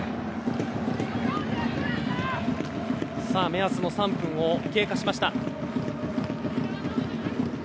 目安の３分を経過しました。